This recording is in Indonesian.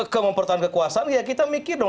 kemampuan kekuasaan ya kita mikir dong